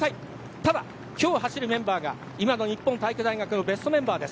ただ、今日走るメンバーが今の日本体育大学のベストメンバーです。